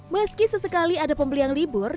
meski sesekali ada pembeli yang libur